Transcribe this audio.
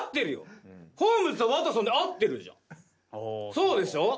そうでしょ？